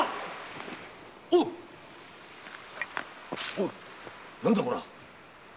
おい何だこりゃ？